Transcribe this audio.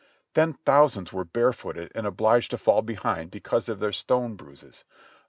Then thousands were barefooted and obliged to fall behind because of their stone bruises.